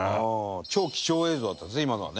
超貴重映像だったんですね